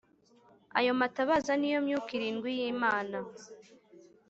Ayo matabaza ni yo Myuka irindwi y’Imana.